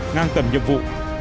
ngang tầm nhiệm vụ